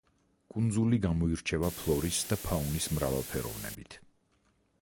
კუნძული გამოირჩევა ფლორის და ფაუნის მრავალფეროვნებით.